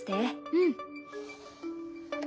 うん。